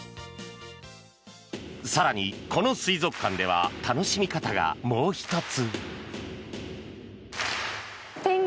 更に、この水族館では楽しみ方がもう１つ。